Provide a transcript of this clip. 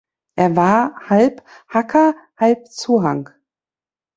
Er war halb Hakka, halb Zhuang.